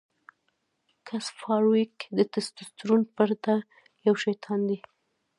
ګس فارویک د ټسټورسټون پرته یو شیطان دی